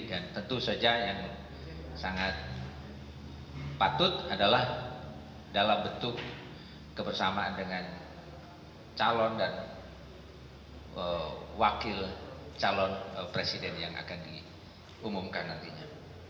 dan tentu saja yang sangat patut adalah dalam bentuk kebersamaan dengan calon dan wakil calon presiden yang akan diumumkan nantinya